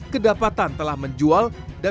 kedapatan telah menjual dan